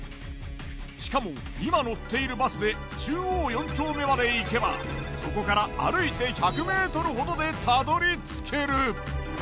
しかも今乗っているバスで中央四丁目まで行けばそこから歩いて１００ｍほどでたどり着ける。